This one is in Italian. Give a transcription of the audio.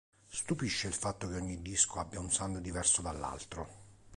Stupisce il fatto che ogni disco abbia un sound diverso dall'altro.